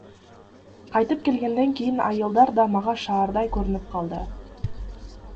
Кайтып келгенден кийин айылдар да мага шаардай көрүнүп калды.